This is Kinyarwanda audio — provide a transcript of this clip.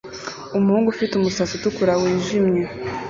Umuhungu ufite umusatsi utukura wijimye